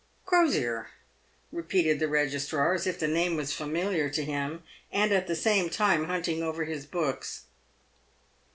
Crosier!" repeated the Begistrar, as if the name was familiar to him, and at the same time hunting over his books.